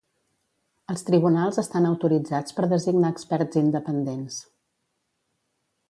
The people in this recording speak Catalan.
Els tribunals estan autoritzats per designar experts independents.